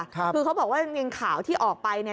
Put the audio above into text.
คือเขาบอกว่าเงินข่าวที่ออกไป